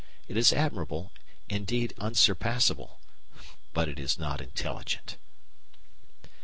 It is admirable, indeed unsurpassable; but it is not intelligent.